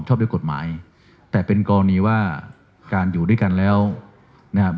ชอบด้วยกฎหมายแต่เป็นกรณีว่าการอยู่ด้วยกันแล้วนะครับ